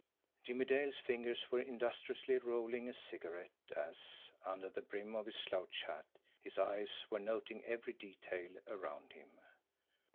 Jimmie Dale's fingers were industriously rolling a cigarette, as, under the brim of his slouch hat, his eyes were noting every detail around him.